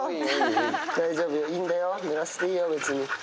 大丈夫、いいんだよ、ぬらしていいよ、別に。